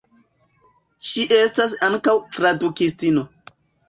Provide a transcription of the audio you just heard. Ŝi estas ankaŭ tradukistino.